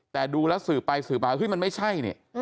แต่ดูแล้วสืบไปสืบไปว่ามันไม่ใช่นะ